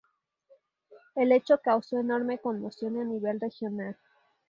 El hecho causó enorme conmoción a nivel regional.